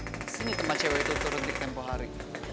di sini tempat cewek itu turut di tempo hari